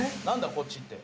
こっちって。